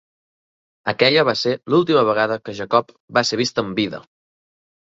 Aquella va ser l'última vegada que Jacob va ser vist amb vida.